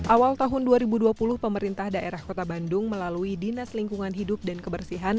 awal tahun dua ribu dua puluh pemerintah daerah kota bandung melalui dinas lingkungan hidup dan kebersihan